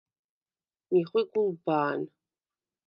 მი ხვი გულბა̄ნ.